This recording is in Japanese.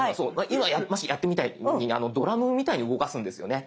今やったみたいにドラムみたいに動かすんですよね。